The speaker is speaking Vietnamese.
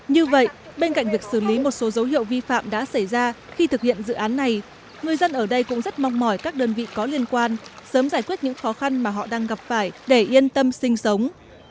như vậy bên cạnh việc xử lý một số dấu hiệu vi phạm đã xảy ra khi thực hiện dự án này người dân ở đây cũng rất mong mỏi các đơn vị có liên quan sớm giải quyết những khó khăn mà họ đang gặp phải để yên tâm sinh sống